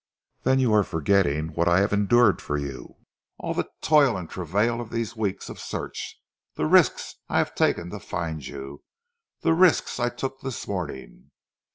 "Then you are forgetting what I have endured for you all the toil and travail of these weeks of search the risks I have taken to find you, the risks I took this morning.